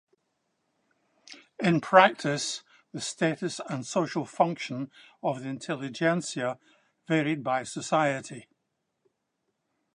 In practice, the status and social function of the intelligentsia varied by society.